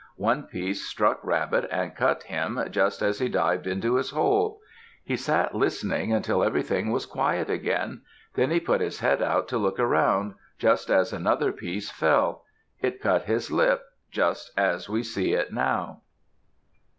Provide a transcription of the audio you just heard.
One piece struck Rabbit and cut him just as he dived into his hole. He sat listening until everything was quiet again. Then he put his head out to look around, just as another piece fell. It cut his lip, just as we see it now.